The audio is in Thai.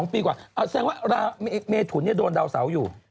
๒ปีกว่าแสดงว่าเมถุนโดนดาวเสาอยู่